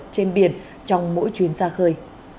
trên biển trong mỗi chuyến xa khơi